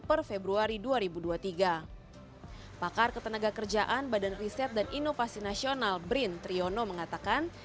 per februari dua ribu dua puluh tiga pakar ketenaga kerjaan badan riset dan inovasi nasional brin triyono mengatakan